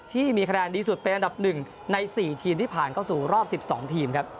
ที่มีคะแนนดีสุดเป็นอันดับ๑ใน๔ทีมที่ผ่านเข้าสู่รอบ๑๒ทีมครับ